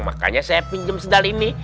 makanya saya pinjam sedal ini